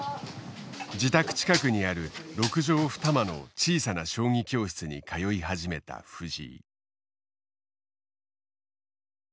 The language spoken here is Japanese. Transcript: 自宅近くにある６畳２間の小さな将棋教室に通い始めた藤井。